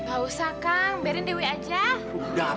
aku untuk menjaga pakaian kami